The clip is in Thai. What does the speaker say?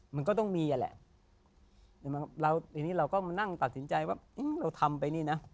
มันก็ต้องมีนั่นแหละเราก็มานั่งตัดสินใจว่าเราทำไปนี่นะ